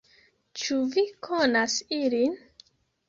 Ĉu vi konas ilin?